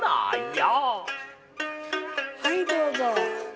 はいどうぞ。